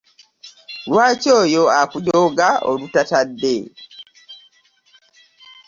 Lwaki oyo akujooga olutatadde?